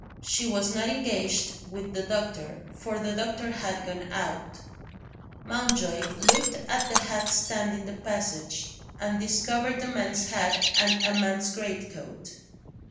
She was not engaged with the doctor, for the doctor had gone out. Mountjoy looked at the hat stand in the passage, and discovered a man's hat and a man's greatcoat.